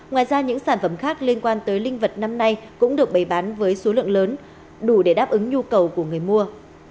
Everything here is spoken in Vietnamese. ngoài ra những sản phẩm khác liên quan tới linh vật năm nay cũng được bày bán với số lượng lớn đủ để đáp ứng nhu cầu của người mua